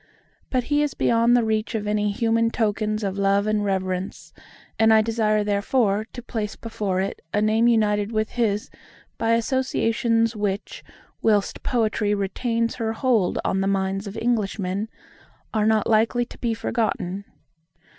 But he is beyond the reach of any human tokens of love and reverence; and I desire therefore to place before it a name united with his by associations which, whilst Poetry retains her hold on the minds of Englishmen, are not likely to be forgotten.